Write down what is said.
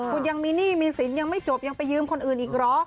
คุณยังมีหนี้มีสินยังไม่จบยังไปยืมคนอื่นอีกเหรอ